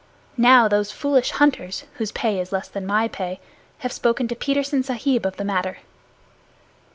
Now those foolish hunters, whose pay is less than my pay, have spoken to Petersen Sahib of the matter."